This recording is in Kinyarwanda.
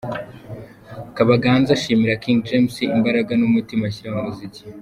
Kabaganza ashimira King James imbaraga n'umutima ashyira mu muziki.